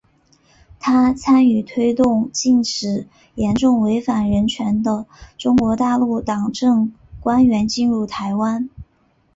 她参与推动禁止严重违反人权的中国大陆党政官员进入台湾。